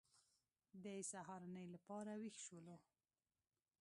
د سهارنۍ لپاره وېښ شولو.